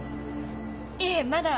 いえまだ。